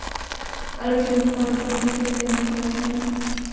আলোর যেমন কণা ধর্ম আছে, তেমনি আছে তরঙ্গ ধর্ম।